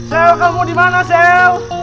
sel kamu di mana sel